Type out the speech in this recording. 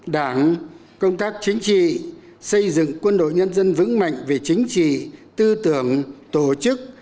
đảng công tác chính trị xây dựng quân đội nhân dân vững mạnh về chính trị tư tưởng tổ chức